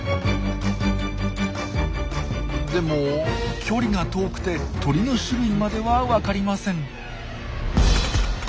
でも距離が遠くて鳥の種類までは分かりません。